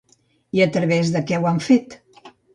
I a través de què ho han fet?